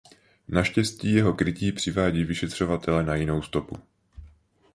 Naštěstí jeho krytí přivádí vyšetřovatele na jinou stopu.